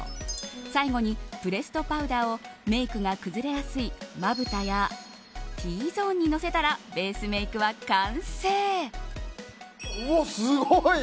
最後にプレストパウダーをメイクが崩れやすいまぶたやＴゾーンにのせたらうわっすごい！